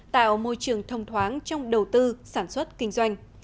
tạo môi trường thông thoáng trong đầu tư sản xuất kinh doanh